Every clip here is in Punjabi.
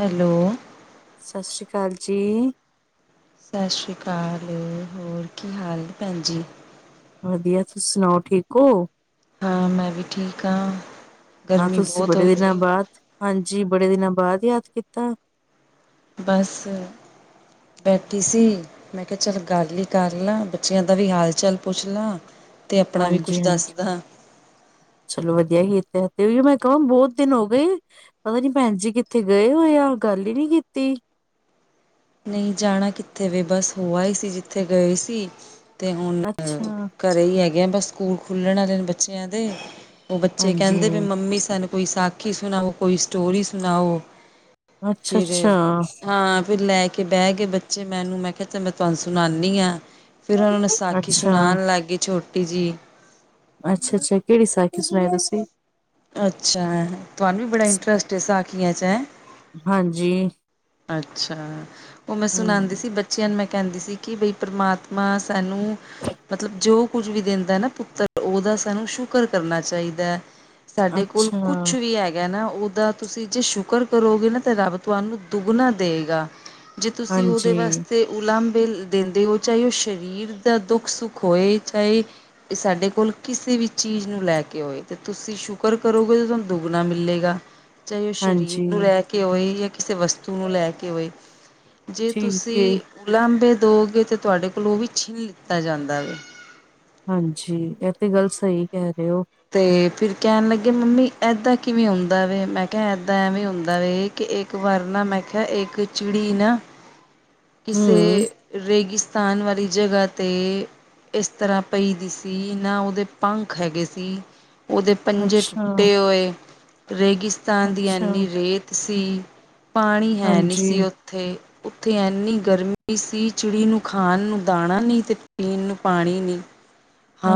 ਹੈਲੋ ਸਤਿ ਸ਼੍ਰੀ ਅਕਾਲ ਜੀ, ਸਤਿ ਸ਼੍ਰੀ ਅਕਾਲ, ਹੋਰ ਕੀ ਹਾਲ ਭੈਣ ਜੀ? ਵਧੀਆ, ਤੁਸੀ ਸੁਣਾਓ ਠੀਕ ਹੋ? ਹਾਂ ਮੈਂ ਵੀ ਠੀਕ ਹਾਂ, ਹਾਂ ਗਰਮੀ ਤੁਸੀਂ ਬਹੁਤ ਬੜੇ ਹੋਈ ਦੀ ਦਿਨਾਂ ਹੈ। ਬਾਅਦ ਹਾਂਜੀ ਬੜੇ ਦਿਨਾਂ ਬਾਅਦ ਯਾਦ ਕੀਤਾ। ਬਸ ਬੈਠੀ ਸੀ ਮੈਂ ਕਿਹਾ ਚੱਲ ਗੱਲ ਹੀ ਕਰ ਲਾ ਬੱਚਿਆਂ ਦਾ ਵੀ ਹਾਲ ਚਾਲ ਪੁੱਛ ਲਾ, ਹਾਂਜੀ-ਹਾਂਜੀ ਚਲੋ ਵਧੀਆ ਕੀਤਾ। ਤੇ ਮੈਂ ਕਿਹਾ ਬਹੁਤ ਦਿਨ ਹੋ ਗਏ ਪਤਾ ਨੀ ਭੈਣ ਜੀ ਕਿੱਥੇ ਗਏ ਹੋਏ ਆ ਗੱਲ ਹੀ ਨੀ ਕੀਤੀ। ਨਹੀਂ ਜਾਣਾ ਕਿੱਥੇ ਵੇ ਬਸ ਹੋਆ ਹੀ ਸੀ ਜਿੱਥੇ ਗਏ ਸੀ। ਅਤੇ ਹੁਣ ਅੱਛਾ, ਘਰ ਹੈਗੇ ਆ ਸਕੂਲ ਖੁੱਲ੍ਹਣ ਵਾਲੇ ਬੱਚਿਆਂ ਦੇ, ਉਹ ਬੱਚੇ ਹਾਂਜੀ ਕਹਿੰਦੇ ਵੀ ਮੰਮੀ ਸਾਨੂੰ ਕੋਈ ਸਾਖੀ ਸੁਣਾਓ ਕੋਈ ਸਟੋਰੀ ਸੁਣਾਓ, ਫਿਰ ਅੱਛਾ-ਅੱਛਾ, ਹਾਂ ਫਿਰ ਲੈ ਕੇ, ਕਿ ਬਹਿ ਗਏ ਬੱਚੇ ਮੈਨੂੰ ਮੈਂ ਕਿਹਾ ਮੈਂ ਤੁਹਾਨੂੰ ਸੁਣਨੀ ਹਾਂ, ਫਿਰ ਉਹਨੂੰ ਸਾਖੀ ਅੱਛਾ, ਸੁਣਾਣ ਲੱਗ ਗਏ ਛੋਟੀ ਜਿਹੀ, ਅੱਛਾ-ਅੱਛਾ, ਕਿਹੜੀ ਸਾਖੀ ਸੁਣਾਈ ਤੁਸੀਂ? ਅੱਛਾ ਤੁਹਾਨੂੰ ਵੀ ਬੜਾ ਇੰਟਰਸਟ ਇਸ ਸਾਖੀਆਂ ਚ ' ਹੈ ਹਾਂਜੀ, ਅੱਛਾ ਉਹ ਮੈਂ ਸੁਣਾਉਂਦੀ ਹੂੰ ਸੀ ਬੱਚਿਆਂ ਨੂੰ ਮੈਂ ਕਹਿੰਦੀ ਸੀ ਕਿ ਬਈ ਪਰਮਾਤਮਾ ਸਾਨੂੰ ਮਤਲਬ ਜੋ ਕੁੱਝ ਵੀ ਦਿੰਦਾ ਨਾ ਪੁੱਤਰ ਉਹਦਾ ਦਾ ਸਾਨੂੰ ਸ਼ੁਕਰ ਕਰਨਾ ਚਾਹੀਦਾ ਹੈ ਸਾਡੇ ਕੋਲ ਅੱਛਾ, ਕੁਛ ਵੀ ਹੈਗਾ ਨਾ ਉਹਦਾ ਤੁਸੀਂ ਜੇ ਸ਼ੁਕਰ ਕਰੋਗੇ ਨਾ ਤਾਂ ਰੱਬ ਤੁਹਾਨੂੰ ਦੁੱਗਣਾ ਦੇਵੇਗਾ ਜੇ ਤੁਸੀਂ ਉਹਦੇ ਹਾਂਜੀ, ਵਾਸਤੇ ਉਲਾਮ ਦਿੰਦੇ ਹੋ ਚਾਹੇ ਉਹ ਸਰੀਰ ਦਾ ਦੁੱਖ ਸੁੱਖ ਹੋਏ ਚਾਹੇ ਇਹ ਸਾਡੇ ਕੋਲ ਕਿਸੇ ਵੀ ਚੀਜ਼ ਨੂੰ ਲੈ ਕੇ ਹੋਏ ਤੇ ਤੁਸੀਂ ਸ਼ੁਕਰ ਕਰੋਗੇ ਤੁਹਾਨੂੰ ਦੁੱਗਣਾ ਮਿਲੇਗਾ ਚਾਹੇ ਉਹ ਸਰੀਰ ਹਾਂਜੀ ਨੂੰ ਲੈ ਕੇ ਹੋਏ ਜਾਂ ਕਿਸੇ ਵਸਤੂ ਨੂੰ ਲੈ ਕੇ ਹੋਏ ਜੇ ਠੀਕ ਏ, ਤੁਸੀਂ ਉਲਾਂਬੇ ਦਓਗੇ ਤਾਂ ਤੁਹਾਡੇ ਕੋਲੋਂ ਉਹ ਵੀ ਛਿਨ ਲਿੱਤਾ ਜਾਂਦਾ ਹੈ ਹਾਂਜੀ ਇਹ ਤੇ ਗੱਲ ਸਹੀ ਕਹਿ ਰਹੇ ਹੋ ਤੇ ਫਿਰ ਕਹਿਣ ਲੱਗੇ ਮੰਮੀ ਏਦਾਂ ਕਿਵੇਂ ਹੁੰਦਾ ਵ ਮੈਂ ਕਿਹਾ ਏਦਾਂ ਐਵੇਂ ਹੁੰਦਾ ਵ ਇਹ ਇੱਕ ਵਰਨਾ ਮੈਂ ਕਿਹਾ ਇੱਕ ਚਿੜੀ ਨਾ ਕਿਸੇ ਹੂੰ, ਰੇਗਿਸ ਸਥਾਨ ਵਾਲੀ ਜਗ੍ਹਾ 'ਤੇ, ਇਸ ਤਰ੍ਹਾਂ ਪਈ ਦੀ ਸੀ ਇਹ ਨਾ ਉਹਦੇ ਪੰਖ ਹੈਗੇ ਸੀ। ਉਹਦੇ ਪੰਜੇ ਅੱਛਾ, ਟੁੱਟੇ ਹੋਏ ਰੇਗਿਸਤਾਨ ਦੀ ਅੱਛਾ, ਇੰਨੀ ਰੇਤ ਸੀ ਪਾਣੀ ਹੈ ਨਹੀਂ ਸੀ ਹਾਂਜੀ, ਉੱਥੇ-ਉੱਥੇ, ਇੰਨੀ ਗਰਮੀ ਸੀ ਚਿੜੀ ਨੂੰ ਖਾਣ ਨੂੰ ਦਾਣਾ ਨਹੀਂ ਤੇ ਪੀਣ ਨੂੰ ਪਾਣੀ ਨਹੀਂ,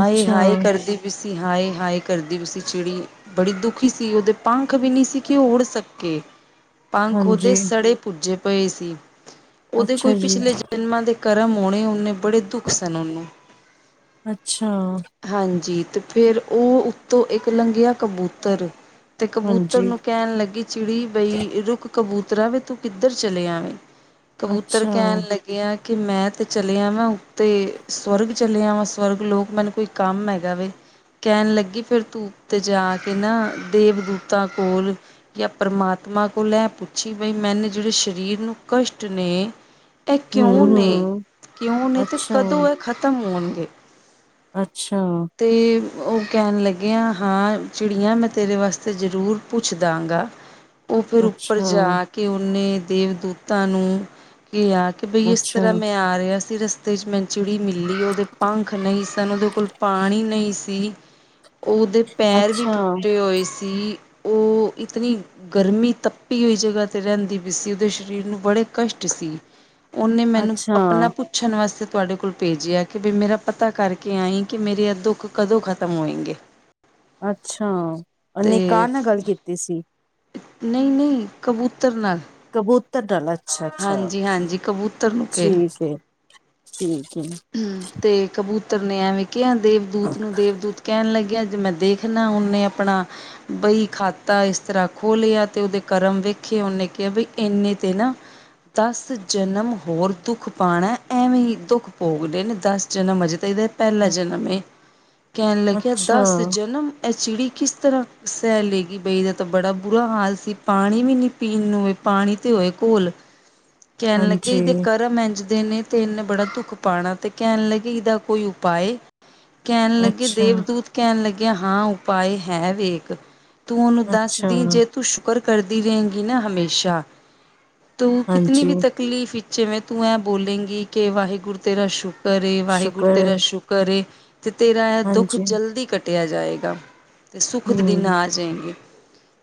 ਅੱਛਾ, ਕਰਦੀ ਹਾਏ-ਹਾਏ ਕਰਦੀ ਉਸ ਚਿੜੀ ਬੜੀ ਦੁਖੀ ਸੀ ਉਹਦੇ ਪੰਖ ਵੀ ਨਹੀਂ ਸੀ ਕਿ ਉਹ ਉੜ ਸਕੇ, ਪੰਖ ਉਹਦੇ ਹਾਂਜੀ, ਸੜੇ ਪੁੱਜੇ ਪਏ ਸੀ ਉਹਦੇ ਕੋਈ ਅੱਛਾ ਜੀ, ਪਿਛਲੇ ਜਨਮਾਂ ਦੇ, ਕਰਮ ਆਣੇ ਉਨੇ ਬੜੇ ਦੁੱਖ ਸਹੇ, ਅੱਛਾ ਹਾਂਜੀ ਤੇ ਫਿਰ ਉਹ ਉਤੋਂ ਇੱਕ ਲੰਘਿਆ ਕਬੂਤਰ ਤੇ ਕਬੂਤਰ ਹਾਂਜੀ, ਨੂੰ ਕਹਿਣ ਲੱਗੀ ਚਿੜੀ ਬਈ ਰੁਕ ਕਬੂਤਰਾਂ ਵੀ ਤੂੰ ਕਿੱਧਰ ਚਲੇ ਆਵੇ ਕਬੂਤਰ ਅੱਛਾ, ਕਹਿਣ ਲੱਗਿਆ ਕਿ ਮੈਂ ਤਾਂ ਚੱਲਿਆ ਵਾਂ ਉੱਤੇ ਸਵਰਗ ਚੱਲਿਆ ਵਾਂ ਸਵਰਗ ਲੋਕ ਮੈਨੂੰ ਕੋਈ ਕੰਮ ਹੈਗਾ ਵੀ ਕਹਿਣ ਲੱਗੀ ਫਿਰ ਤੂੰ ਉਤੇ ਜਾ ਕੇ ਨਾ ਦੇਵਦੂਤਾਂ ਕੋਲ ਜਾਂ ਪਰਮਾਤਮਾ ਪਰਮਾਤਮਾ ਕੋਲ ਇਹ ਪੁੱਛੀ ਬਈ ਮੈਨੇ ਜਿਹੜੇ ਸਰੀਰ ਨੂੰ ਕਸ਼ਟ ਨੇ ਇਹ ਕਿਉਂ ਨੇ ਹੂੰ-ਹੂੰ, ਕਿਉਂ ਨੇ ਤੇ ਅੱਛਾ, ਕਦੋਂ ਇਹ ਖਤਮ ਹੋਣਗੇ ਅੱਛਾ, ਤੇ ਉਹ ਕਹਿਣ ਲੱਗ ਹ ਹਾਂ ਚਿੜੀਆਂ ਮੈਂ ਤੇਰੇ ਵਾਸਤੇ ਜ਼ਰੂਰ ਪੁੱਛ ਦਾਂਗਾ ਉਹ ਫਿਰ ਉੱਪਰ ਅੱਛਾ, ਜਾ ਕੇ ਉਹਨੇ ਦੇਵਦੂਤਾਂ ਨੂੰ ਕਿਹਾ ਆ ਕਿ ਬਈ ਇਸ ਅੱਛਾ, ਤਰ੍ਹਾਂ ਮੈਂ ਆ ਰਿਹਾ ਸੀ ਰਸਤੇ ਚ ਮੈਂ ਚਿੜੀ ਮਿਲੀ ਉਹਦੇ ਪੰਖ ਨਹੀਂ ਸਨ ਉਹਦੇ ਕੋਲ ਪਾਣੀ ਨਹੀਂ ਸੀ ਉਹਦੇ ਪੈਰ ਵੀ ਅੱਛਾ, ਟੁੱਟੇ ਹੋਏ ਸੀ ਸੀ ਉਹ ਇਤਨੀ ਗਰਮੀ ਤੱਪੀ ਹੋਈ ਜਗਹਾ ਤੇ ਰਹਿੰਦੀ ਪਈ ਸੀ ਉਹਦੇ ਸਰੀਰ ਨੂੰ ਬੜੇ ਕਸ਼ਟ ਸੀ ਉਹਨੇ ਮੈਨੂੰ ਅੱਛਾ, ਆਪਣਾ ਪੁੱਛਣ ਵਾਸਤੇ ਤੁਹਾਡੇ ਕੋਲ ਭੇਜਿਆ ਕਿ ਵੀ ਮੇਰਾ ਪਤਾ ਕਰਕੇ ਆਈ ਕਿ ਮੇਰੀ ਅ ਦੁੱਖ ਕਦੋਂ ਖਤਮ ਹੋਏਗੇ ਅੱਛਾ ਓਹਨੇ ਕਾ ਅਤੇ ਨਾਲ ਗੱਲ ਕੀਤੀ ਸੀ ਨਹੀਂ ਨਹੀਂ ਕਬੂਤਰ ਨਾਲ ਕਬੂਤਰ ਡਾਲਾ ਅੱਛਾ ਅੱਛਾ ਹਾਂਜੀ ਹਾਂਜੀ ਕਬੂਤਰ ਨੂੰ ਠੀਕ ਹੈ ਠੀਕ ਏ। ਹਮ ਤੇ ਕਬੂਤਰ ਨੇ ਐਵੇਂ ਕਿਹਾ ਦੇਵਦੂਤ ਨੂੰ ਦੇਵਦੂਤ ਕਹਿਣ ਲੱਗਿਆ ਜ ਮੈਂ ਦੇਖਣਾ ਉਹਨੇ ਆਪਣਾ ਬਈ ਖਾਤਾ ਇਸ ਤਰ੍ਹਾਂ ਖੋਲਿਆ ਤੇ ਉਹਦੇ ਕਰਮ ਵੇਖਿਆ ਉਹਨੇ ਕਿਹਾ ਬ ਇੰਨੇ ਤੇ ਨਾ ਦਸ ਜਨਮ ਹੋਰ ਦੁੱਖ ਪਾਉਣਾ ਐਵੇਂ ਹੀ ਦੁੱਖ ਭੋਗਦੇ ਨੇ ਦਸ ਜਨਮ ਅਜੇ ਅਤੇ ਇਹਦਾ ਪਹਿਲਾ ਜਨਮ ਇਹ ਕਹਿਣ ਲੱਗਿਆ ਅੱਛਾ, ਦਸ ਜਨਮ ਇਹ ਚਿੜੀ ਕਿਸ ਤਰ੍ਹਾਂ ਸੈਹ ਲੇਗੀ ਬਈ ਏਦਾ ਤਾਂ ਬੜਾ ਬੁਰਾ ਹਾਲ ਸੀ ਪਾਣੀ ਵੀ ਨਹੀਂ ਪੀਣ ਨੂੰ ਪਾਣੀ ਤੇ ਹੋਏ ਘੋਲ, ਕਹਿਣ ਲੱਗੇ ਹਾਂਜੀ, ਇਹਦੇ ਕਰਮ ਐਂਜਦੇ ਨੇ ਤੇ ਇਹਨੇ ਬੜਾ ਦੁੱਖ ਪਾਣਾ ਤੇ ਕਹਿਣ ਲੱਗੇ ਇਹਦਾ ਕੋਈ ਉਪਾਏ ਕਹਿਣ ਲੱਗੇ ਅੱਛਾ, ਦੇਵਦੂਤ ਕਹਿਣ ਲੱਗੇ ਕਿ ਹਾਂ ਉਪਾਏ ਹੈ ਵੇਖ, ਤੂੰ ਉਹਨੂੰ ਅੱਛਾ, ਦੱਸਦੀ ਜੇ ਤੂੰ ਸ਼ੁਕਰ ਕਰਦੀ ਰੲਏਗੀ ਨਾ ਹਮੇਸ਼ਾ ਤ ਕਿਤਨੀ ਹਾਂਜੀ, ਵੀ ਤਕਲੀਫ਼ ਜਿਵੇਂ ਤੂੰ ਐ ਬੋਲੇਂਗੀ ਕਿ ਵਾਹਿਗੁਰੂ ਤੇਰਾ ਸ਼ੁਕਰ ਏ ਵਾਹਿਗੁਰੂ ਸ਼ੁਕਰ ਤੇਰਾ ਏ, ਸ਼ੁਕਰ ਏ ਤੇ ਤੇਰਾ ਇਹ ਦੁੱਖ ਹਾਂਜੀ। ਜਲਦੀ ਕੱਟਿਆ ਜਾਏਗਾ ਤੇ ਸੁੱਖ ਦੇ ਦਿਨ ਹੂੰ, ਆ ਜਾਏਂਗੇ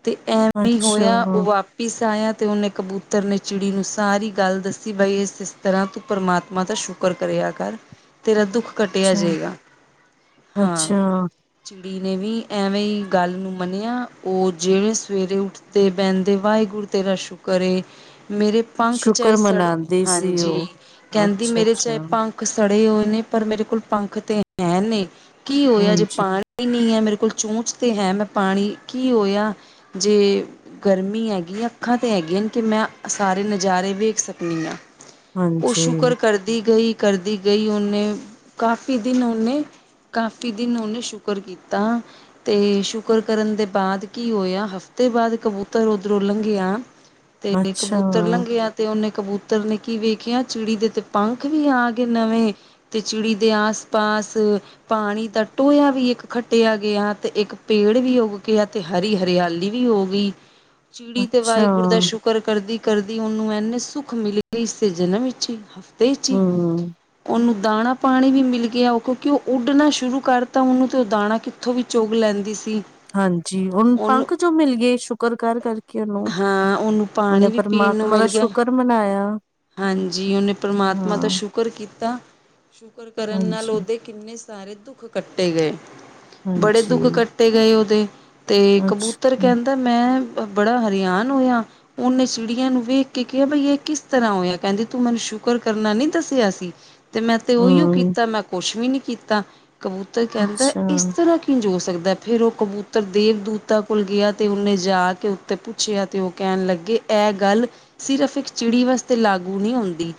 ਤੇ ਐਂ ਵੀ ਹੀ ਹੋਇਆ, ਅੱਛਾ-ਅੱਛਾ, ਉਹ ਵਾਪਿਸ ਆਇਆ ਤੇ ਉਹਨੇ ਕਬੂਤਰ ਨੇ ਚਿੜੀ ਨੂੰ ਸਾਰੀ ਗੱਲ ਦੱਸੀ ਬਈ ਇਸ ਇਸ ਤਰ੍ਹਾਂ ਤੂੰ ਪ੍ਰਮਾਤਮਾ ਦਾ ਸ਼ੁਕ ਤੂੰ ਕਰਿਆ ਕਰ ਤੇਰਾ ਦੁੱਖ ਕੱਟਿਆ ਅੱਛਾ ਜਾਏਗਾ, ਹਾਂ- ਅੱਛਾ, ਨੇ ਵੀ ਐਵੇਂ ਹੀ ਗੱਲ ਨੂੰ ਮੰਨਿਆ ਉਹ ਜਿਹੜੇ ਸਵੇਰੇ ਉੱਠਦੇ ਬਹਿੰਦੇ ਵਾਹਿਗੁਰੂ ਤੇਰਾ ਸ਼ੁਕਰ ਏ ਮੇਰੇ ਪੰਖ ਚ ਇਹ ਸ਼ੁਕਰ ਸੜੇ, ਮਨਾਂਦੀ ਸੀ ਹਾਂਜੀ ਉਹ। ਕਹਿੰਦੀ ਮੇਰੇ ਅੱਛਾ-ਅੱਛਾ, ਚਾਹੇ ਪੰਖ ਸੜੇ ਹੋਏ ਨੇ ਪਰ ਮੇਰੇ ਕੋਲ ਪੰਖ ਤੇ ਹੈਅ ਨੇ- ਕੀ ਹੋਇਆ ਜੇ ਪਾਣੀ ਨਈ ਹੈ ਮੇਰੇ ਕੋਲ ਚੂੰਚ ਤੇ ਹੈ ਮੈਂ ਪਾਣੀ ਕੀ ਹੋਇਆ ਜੇ ਗਰਮੀ ਹੈਗੀ ਅੱਖਾਂ ਤੇ ਹੈਗੀ ਕਿ ਮੈਂ ਸਾਰੇ ਨਜ਼ਾਰੇ ਵੇਖ ਸਕਦੀ ਹਾਂ ਉਹ ਹਾਂਜੀ ਸ਼ੁਕਰ ਕਰਦੀ ਗਈ ਕਰਦੀ ਗਈ ਉਹਨੇ ਕਾਫੀ ਦਿਨ ਉਹਨੇ ਕਾਫੀ ਦਿਨ ਉਹਨੇ ਸ਼ੁਕਰ ਕੀਤਾ ਤੇ ਸ਼ੁਕਰ ਕਰਨ ਦੇ ਬਾਅਦ ਕੀ ਹੋਇਆ ਹਫਤਾ ਕਾਫੀ ਤੇ ਬਾਅਦ ਕਬੂਤਰ ਓਦਰੋ ਲੰਘ ਗਿਆ ਤੇ ਅੱਛਾ। ਕਬੂਤਰ ਲੰਘਿਆ ਤੇ ਉਹਨੇ ਕਬੂਤਰ ਨੇ ਕੀ ਵੇਖਿਆ ਚਿੜੀ ਦੇ ਤੇ ਪੰਖ ਵੀ ਆ ਗਏ ਨਵੇਂ ਤੇ ਚਿੜੀ ਦੇ ਆਸ ਪਾਸ ਪਾਣੀ ਦਾ ਟੋਇਆ ਵੀ ਹੈ ਇੱਕ ਖੱਟਿਆ ਗਿਆ ਤੇ ਇੱਕ ਪੇੜ ਵੀ ਉੱਗ ਗਿਆ ਤੇ ਹਰੀ ਹਰਿਆਲੀ ਵੀ ਹੋ ਗਈ ਚਿੜੀ ਤੇ ਅੱਛਾ, ਵਾਹਿਗੁਰੂ ਦਾ ਸ਼ੁਕਰ ਕਰਦੀ ਕਰਦੀ ਉਹਨੂੰ ਇੰਨੇ ਸੁੱਖ ਮਿਲਗੇਈ ਇਸਦੇ ਜਨਮ ਵਿੱਚ ਹੀ ਹਫ਼ਤੇ ਵਿੱਚ ਹੀ ਹੂੰ, ਉਹਨੂੰ ਦਾਣਾ ਪਾਣੀ ਵੀ ਮਿਲ ਗਿਆ ਉ ਕਿਉਂਕਿ ਉਹ ਉੱਡਣਾ ਸ਼ੁਰੂ ਕਰਤਾ ਉਹਨੂੰ ਤੇ ਉਹ ਦਾਣਾ ਕਿੱਥੋਂ ਵੀ ਚੁਗ ਲੈਂਦੀ ਸੀ ਹਾਂਜੀ ਹੁਣ ਉਹਨੂੰ ਪੰਖ ਜੋ ਮਿਲ ਗੇ ਸ਼ੁਕਰ ਕਰ ਕਰਕੇ ਉਹਨੂੰ ਹਾਂ ਉਹਨੂੰ ਉਹਨੇ ਪਾਣੀ ਵੀ ਪੀਣ ਨੂੰ ਪਰਮਾਤਮਾ ਦਾ ਮਿਲ ਗਿਆ ਸ਼ੁਕਰ ਮਨਾਇਆ ਹਾਂਜੀ ਉਹਨੇ ਪਰਮਾਤਮਾ ਦਾ ਹਾਂ, ਸ਼ੁਕਰ ਕੀਤਾ ਸ਼ੁਕਰ ਕਰਨ ਨਾਲ ਹਾਂਜੀ। ਉਹਦੇ ਕਿੰਨੇ ਸਾਰੇ ਦੁੱਖ ਕੱਟੇ ਗਏ ਬੜੇ ਹਾਂਜੀ, ਦੁੱਖ ਕੱਟੇ ਗਏ ਉਹਦੇ, ਤੇ ਅੱਛਾ, ਕਬੂਤਰ ਕਹਿੰਦਾ ਮੈਂ ਪ ਬੜਾ ਹਰਿਆਨ ਹੋਇਆ ਉਹਨੇ ਚਿੜੀਆਂ ਨੂੰ ਵੇਖ ਕੇ ਕਿਹਾ ਬਈ ਇਹ ਕਿਸ ਕਿਸ ਤਰ੍ਹਾਂ ਹੋਇਆ ਕਹਿੰਦੀ ਤੂੰ ਮੈਨੂੰ ਸ਼ੁਕਰ ਕਰਨਾ ਨੀ ਦੱਸਿਆ ਸੀ ਤੇ ਮੈਂ ਤੇ ਓਹੀਓ ਹਾਂ, ਕੀਤਾ ਮੈਂ ਕੁੱਛ ਵੀ ਨੀ ਕੀਤਾ। ਕਬੂਤਰ ਕਹਿੰਦਾ ਅੱਛਾ ਇਸ ਤਰ੍ਹਾਂ ਕਿੰਝ ਹੌ ਸਕਦਾ ਫੇਰ ਉਹ ਕਬੂਤਰ ਦੇਵਦੂਤਾ ਕੋਲ ਗਿਆ ਤੇ ਉਹਨੇ ਜਾ ਕੇ ਉੱਤੇ ਪੁੱਛਿਆ ਤੇ ਉਹ ਕਹਿਣ ਲੱਗੇ ਐਹ ਗੱਲ ਸਿਰਫ ਇੱਕ ਚਿੜੀ ਵਸਤੇ ਤੇ ਲਾਗੂ ਨਹੀਂ ਹੁੰਦੀ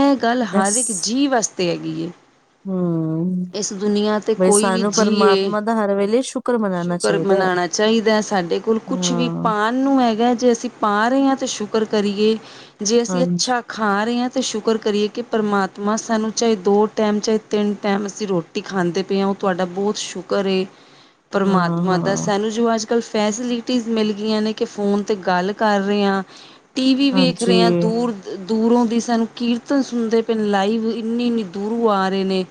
ਇਹ ਗੱਲ ਹਰ ਇੱਕ ਜੀਅ ਵਾਸਤੇ ਹੈਗੀ ਏ ਹਾਂ ਅ- ਇਸ ਦੁਨੀਆਂ ਤੇ ਕੋਈ ਵੀ ਜੀਅ ਏ, ਪਰਮਾਤਮਾ ਦਾ ਹਰ ਵੇਲੇ ਸ਼ੁਕਰ ਮਨਾਣਾ ਸ਼ੁਕਰ ਚਾਹੀਦਾ ਹੈ ਮਨਾਣਾ ਚਾਹੀਦਾ ਸਾਡੇ ਕੋਲ ਕੁਛ ਵੀ ਹਾਂ। ਪਾਣ ਨੂੰ ਹੈਗਾ ਜੇ ਅਸੀਂ ਪਾ ਰਹੇ ਹਾਂ ਤਾਂ ਸ਼ੁ ਕਰ ਕਰੀਏ ਜੇ ਅਸੀਂ ਹਾਂਜੀ, ਅੱਛਾ ਖਾ ਰਹੇ ਹਾਂ ਤੇ ਸ਼ੁਕਰ ਕਰੀਏ ਕਿ ਪਰਮਾਤਮਾ ਸਾਨੂੰ ਚਾਹੇ ਦੋ ਟੈਮ ਚਾਹੇ ਤਿੰਨ ਟੈਮ ਅਸੀਂ ਰੋਟੀ ਖਾ ਦੇ ਪਏ ਆ ਉਹ ਤੁਹਾਡਾ ਬਹੁਤ ਸ਼ੁਕਰ ਏ, ਪਰਮਾਤਮਾ ਦਾ ਹਾਂ-ਹਾਂ, ਸਾਨੂੰ ਜੋ ਅਜ ਅ ਫੈਸਿਲਿਟੀਜ਼ ਮਿਲ ਗਈਆਂ ਨੇ ਕਿ ਫੋਨ ਤੇ ਗੱਲ ਕਰ ਰਹੇ ਹਾਂ ਟੀ ਵੀ ਵੇਖ ਹਾਂਜੀ, ਰਹੇ ਹਾਂ ਦੂਰ ਦੂਰੋਂ ਦੀ ਸਾਨੂੰ ਕੀਰਤਨ ਸੁਣਦੇ ਪਏ, ਲਾਈਵ ਇੰਨੀ ਇੰਨੀ ਦੂਰੋਂ ਆ ਰਹੇ ਨੇ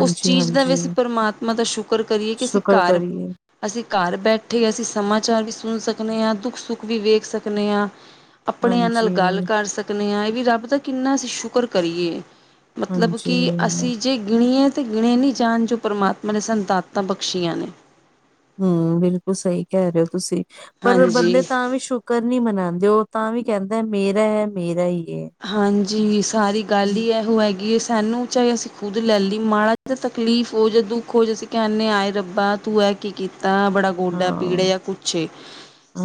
ਉਸ ਚੀਜ਼ ਦਾ ਵੀ ਅਸੀਂ ਪਰਮਾਤਮਾ ਦਾ ਸ਼ੁਕਰ ਕਰੀਏ ਕਿ ਅਸੀਂ ਸ਼ੁਕਰ ਘਰ, ਕਰੀਏ। ਅਸੀਂ ਘਰ ਬੈਠੇ ਅਸੀਂ ਸਮਾਚਾਰ ਵੀ ਸੁਣ ਸਕਨੇ ਆਂ ਦੁੱਖ ਸੁੱਖ ਵੀ ਵੇਖ ਸਕਨੇ ਆਂ ਆਪਣਿਆਂ ਨਾਲ ਹਾਂਜੀ, ਗੱਲ ਕਰ ਸਕਨੇ ਆਂ ਇਹ ਵੀ ਰੱਬ ਦਾ ਕਿੰਨਾ ਅਸੀਂ ਸ਼ੁਕਰ ਕਰੀਏ ਮਤਲਬ ਹਾਂਜੀ, ਕਿ ਅਸੀਂ ਜੇ ਗਿਣੀਏ ਤੇ ਗਿਣੇ ਨਹੀਂ ਜਾਣ, ਜੋ ਪਰਮਾਤਮਾ ਨੇ ਸਾਨੂ ਦਾਤਾ ਬਖਸ਼ੀਆਂ ਨੇ ਹਾਂ, ਬਿਲਕੁਲ ਸਹੀ ਕਹਿ ਰਹੇ ਹੋ ਤੁਸੀਂ, ਪਰ ਬੰਦੇ ਹਾਂਜੀ। ਤਾਂ ਵੀ ਸ਼ੁਕਰ ਨਹੀਂ ਮਨਾਂਦੇ ਔ ਤਾਂ ਵੀ ਕਹਿੰਦੈ ਮੇਰਾ ਹੈ, ਮੇਰਾ ਈ ਹਾਂਜੀ ਸਾਰੀ ਗੱਲ ਹੀ ਇਹੋ ਹੈਗੀ ਸਾਨੂੰ ਚਾਹੇ ਅਸੀਂ ਖੁਦ ਲੈ ਲਈ ਮਾੜਾ ਜ ਤਕਲੀਫ ਹੋ ਜਾ ਦੁੱਖ ਹੋ ਜਾ ਅਸੀਂ ਕਹਿੰਦੇ ਹੈ ਆਏ ਰੱਬਾ ਤੂੰ ਕੀ ਕੀਤਾ ਬੜਾ ਗੋਡਾ ਪੀੜ ਹਾਂ, ਜਾਂ ਕੁਛੇ ਹ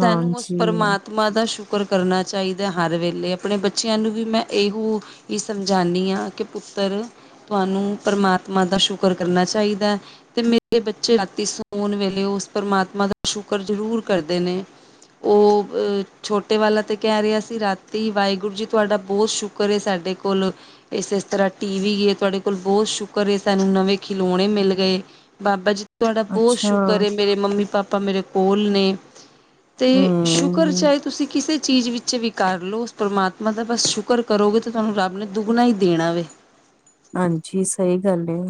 ਸਾਨੂੰ ਉਸ ਪਰਮਾਤਮਾ ਦਾ ਸ਼ੁਕਰ ਰ ਕਰਨਾ ਚਾਹੀਦਾ ਹਰ ਵੇਲੇ ਆਪਣੇ ਬੱਚੇ ਬੱਚਿਆਂ ਨੂੰ ਵੀ ਮੈਂ ਇਹੋ ਹੀ ਸਮਝਾਉਂਦੀ ਹਾਂ ਕਿ ਪੁੱਤਰ ਤੁਹਾਨੂੰ ਪਰਮਾਤਮਾ ਦਾ ਸ਼ੁਕਰ ਕਰਨਾ ਚਾਹੀਦਾ ਤੇ ਮੇਰੇ ਬੱਚੇ ਰਾਤੀ ਸੋਣ ਵੇਲੇ ਉਸ ਪਰਮਾਤਮਾ ਦਾ ਸ਼ੁਕਰ ਜਰੂਰ ਜ਼ਰੂਰ ਕਰਦੇ ਨੇ ਉਹ ਅਹ ਛੋਟੇ ਵਾਲਾ ਤੇ ਕਹਿ ਰਿਹਾ ਸੀ ਰਾਤੀ ਵਾਹਿਗੁਰੂ ਜੀ ਤੁਹਾਡਾ ਬਹੁਤ ਸ਼ੁਕਰ ਸਾਡੇ ਕੋਲ ਇਸ ਇਸ ਤਰ੍ਹਾਂ ਟੀ ਵੀ ਗ ਤੁਹਾਡੇ ਕੋਲ ਬਹੁਤ ਸ਼ੁਕਰ ਏ ਸਾਨੂੰ ਨਵੇਂ ਖਿਲੋਣੇ ਮਿਲ ਗਏ ਬਾਬਾ ਜੀ ਤੁਹਾਡਾ ਬਹੁਤ ਅੱਛਾ, ਸ਼ੁਕਰ ਏ ਮੇਰੇ ਮੰਮੀ ਪਾਪਾ ਮੇਰੇ ਕੋਲ ਨੇ ਤੇ ਸ਼ੁਕਰ ਹੂੰ। ਚਾਹੇ ਤੁਸੀਂ ਕਿਸੇ ਚੀਜ਼ ਵਿੱਚ ਵੀ ਕਰ ਲਓ ਉਸ ਪਰਮਾਤਮਾ ਮਤਲਬ ਬਸ ਸ਼ੁਕਰ ਕਰੋਗੇ ਤੇ ਤੁਹਾਨੂੰ ਰੱਬ ਨੇ ਦੁੱਗਣਾ ਹੀ ਦੇਣਾ ਵੇ ਹਾਂਜੀ ਸਹੀ ਗੱਲ ਏ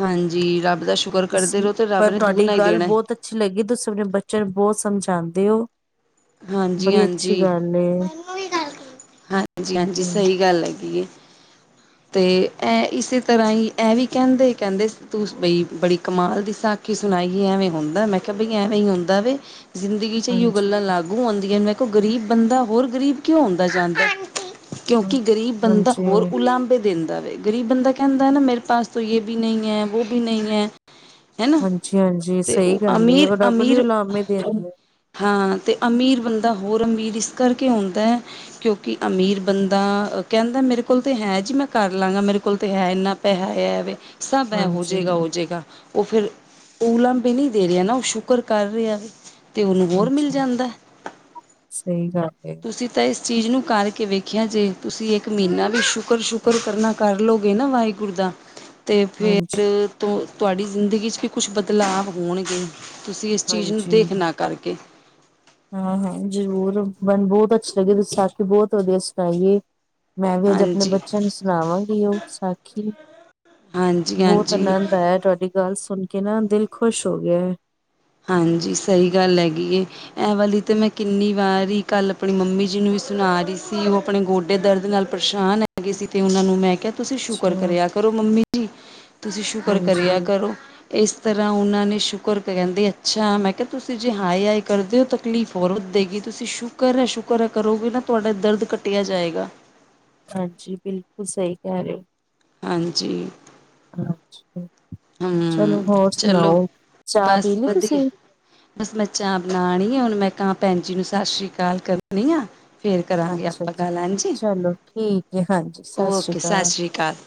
ਹਾਂਜੀ ਰੱਬ ਦਾ ਸ਼ੁਕਰ ਕਰਦੇ ਤੁਸੀ ਰਹੋ ਤੇ ਰੱਬ ਪਰ ਨੇ ਤੁਹਾਡੀ ਦੁੱਗਣਾ ਹੀ ਗੱਲ ਦੇਣਾ ਬਹੁਤ ਅੱਛੀ ਲੱਗੀ ਤੁਸੀਂ ਆਪਣੇ ਬੱਚਿਆਂ ਨੂੰ ਬਹੁਤ ਸਮਝਾਂਦੇ ਹੋ ਹਾਂਜੀ ਬੜੀ ਅੱਛੀ -ਆਂਜੀ ਗੱਲ ਏ, ਹਾਂਜੀ ਹਾਂਜੀ ਹੂੰ, ਸਹੀ ਗੱਲ ਹੈਗੀ ਏ ਤੇ ਐ ਇਸੇ ਤਰ੍ਹਾਂ ਹੀ, ਐ ਵੀ ਕਹਿੰਦੇ, ਕਹਿੰਦੇ ਤੂੰ ਬਈ ਬੜੀ ਕਮਾਲ ਦੀ ਸਾਖੀ ਸੁਣਾਈਏ ਐਵੇਂ ਹੁੰਦਾ ਮੈਂ ਕਿਹਾ ਬਈ ਐਵੇਂ ਹੀ ਹੁੰਦਾ ਵ ਜ਼ਿੰਦਗੀ ਚ ੲਹੌ ਹਾਂਜੀ। ਗੱਲਾਂ ਲਾਗੂ ਮਖੋ ਗ਼ਰੀਬ ਬੰਦਾ ਹੋਰ ਗ਼ਰੀਬ ਕਿਉਂ ਹੌਲ ਜਾਂਦਾ ਹਾਂ, ਕਿਉਂਕਿ ਗ਼ਰੀਬ ਬੰਦਾ ਹਾਂਜੀ, ਹੋਰ ਲਾਂਭੇ ਦਿਨ। ਗ਼ਰੀਬ ਬੰਦਾ ਕਹਿੰਦਾ ਹੈ ਨਾ ਮੇਰੇ ਪਾਸ ਯੇ ਬੀ ਨਹੀਂ ਹੈ ਵੈ ਬੀ ਨਹੀਂ ਹੈ। ਹੈ ਨਾ, ਹਾਂਜੀ-ਹਾਂਜੀ ਤੇ ਸਹੀ ਉਹ ਗੱਲ ਏ, ਉਹ ਰੱਬ ਨੂੰ ਅਮੀਰ-ਅਮੀਰ। ਉਲਾਮੇ ਦਿੰਦਾ। ਹਾਂ, ਤੇ ਅਮੀ। ਅਮੀਰ ਬੰਦਾ ਹੋਰ ਅਮੀਰ ਇਸ ਕਰਕੇ ਹੁੰਦਾ, ਕਿਉਂਕਿ ਅਮੀਰ ਬੰਦਾ ਕਹਿੰਦਾ, ਮੇਰੇ ਕੋਲ ਤੇ ਹੈ ਜੇ, ਮੈਂ ਕਰ ਲਾਂਗਾ। ਮੇਰੇ ਕੋਲ ਤੇ ਹੈ ਇੰਨਾ ਪੈਸਾ ਹੈਵੇ। ਸਭ ਹੈ, ਹੋ ਹਾਂਜੀ, ਜਾਏਗਾ, ਹੋ ਜਾਏਗਾ ਉਹ ਫਿਰ। ਉਹ ਲੰਬੇ ਨਹੀਂ ਦੇ ਰਿਹਾ ਨਾ, ਉਹ ਸ਼ੁਕਰ ਕਰ ਰਿਹਾ, ਤੇ ਉਹਨੂੰ ਹੋਰ ਮਿਲ ਹਾਂਜੀ ਜਾਂਦਾ। ਸਹੀ ਗੱਲ ਹੈ। ਤੁਸੀਂ ਤਾਂ ਇਸ ਚੀਜ਼ ਨੂੰ ਕਰਕੇ ਵੇਖਿਆ ਜੇ ਤੁਸੀਂ ਇੱਕ ਮਹੀਨਾ ਵੀ ਸ਼ੁਕਰ ਸ਼ੁਕਰ ਕਰਨਾ ਕਰ ਲਓਗੇ ਨਾ ਵਾਹਿਗੁਰੂ ਤਾ ਅਤੇ ਫਿਰ ਹਾਂਜੀ, ਤਾਂ, ਤੁਹਾਡੀ ਜ਼ਿੰਦਗੀ 'ਚ ਵੀ ਕੁਝ ਬਦਲਾਵ ਹੋਣਗੇ। ਤੁਸੀਂ ਇਸ ਚੀਜ਼ ਨੂੰ ਦੇਖ ਨਾ ਕਰਕੇ। ਹਾਂ ਹਾਂ ਜ਼ਰੂਰ ਮੈਨੂੰ ਬਹੁਤ ਅੱਛਾ ਲੱਗੇ ਤੁਸੀਂ ਸਾਖੀ ਬਹੁਤ ਵਧੀਆ ਸੁਣਾਈਏ। ਮੈਂ ਵੀ ਅੱਜ ਆਪਣੇ ਹਾਂਜੀ ਬੱਚਿਆਂ ਨੂੰ ਸੁਣਾਵਾਂਗੀ ਉਹ ਸਾਖੀ ਬਹੁਤ ਹਾਂਜੀ-ਹਾਂਜੀ, ਆਨੰਦ ਆਇਆ, ਤੁਹਾਡੀ ਗੱਲ ਸੁਣ ਕੇ। ਨਾ, ਦਿਲ ਖ਼ੁਸ਼ ਹੋ ਗਿਆ ਹੈ। ਹਾਂਜੀ, ਸਹੀ ਗੱਲ ਹੈਗੀ ਐ। ਇਹ ਵਾਲੀ ਤਾਂ ਮੈਂ ਕਿੰਨੀ ਵਾਰੀ ਕੱਲ ਆਪਣੀ ਮੰਮੀ ਜੀ ਨੂੰ। ਸੁਣਾ ਰਹੀ ਸੀ, ਉਹ ਆਪਣੇ ਗੋਡੇ ਦਰਦ ਨਾਲ ਪਰੇਸ਼ਾਨ ਹੈਗੀ ਸੀ। ਤੇ ਉਹਨਾਂ ਨੂੰ ਮੈਂ ਕਿਹਾ, ਤੁਸੀਂ ਸ਼ੁਕਰ ਅੱਛਾ, ਕਰਿਆ ਕਰੋ, ਮੰਮੀ ਜੀ। ਤੁਸੀਂ ਸ਼ੁਕਰ ਕਰਿਆ ਹਾਂਜੀ-ਹਾਂਜੀ ਕਰੋ। ਇਸ ਤਰ੍ਹਾਂ ਉਹਨਾਂ ਨੇ ਸ਼ੁਕਰ ਕਹਿੰਦੇ ਆ। ਅੱਛਾ, ਮੈਂ ਕਿਹਾ, ਤੁਸੀਂ ਜੇ 'ਹਾਏ-ਹਾਏ' ਕਰਦੇ ਹੋ, ਤਾਂ ਤਕਲੀਫ ਹੋਰ ਵਧੇਗੀ। ਤੁਸੀਂ ਸ਼ੁਕਰ-ਸ਼ੁਕਰ ਕਰੋਗੇ ਨਾ। ਤੁਹਾਡਾ ਦਰਦ ਘੱਟਦਾ ਜਾਏਗਾ। ਹਾਂਜੀ, ਬਿਲਕੁਲ ਸਹੀ ਕਹਿ ਰਹੇ ਹੋ। ਹਾਂਜੀ। ਚਲੋ, ਹੂੰ ਹੋਰ ਚਲੋ ਸੁਣਾਓ। ਚਾਹ ਪੀ ਬਸ ਲਈ ਵਧੀਆ ਤੁਸੀਂ? ਬਸ, ਮੈਂ ਚਾਹ ਬਣਾਉਣੀ ਆ। ਹੁਣ ਮੈਂ ਕਾਂ ਭੈਣ ਜੀ ਨੂੰ ਸਤਿ ਸ੍ਰੀ ਅਕਾਲ ਕਰਨੀ ਆ। ਫਿਰ ਕਰਾਂਗੇ ਅੱਛਾ। ਆਪਾਂ ਗੱਲ। ਹਾਂਜੀ, ਚਲੋ ਠੀਕ ਹੈ ਹਾਂਜੀ ਸਤਿ ਸ਼੍ਰੀ ਓਕੇ। ਅਕਾਲ ਸਤਿ ਸ੍ਰੀ ਅਕਾਲ। [inaudible]